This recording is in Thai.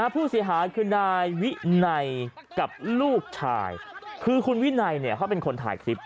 ผู้เสียหายคือนายวินัยกับลูกชายคือคุณวินัยเขาเป็นคนถ่ายคลิป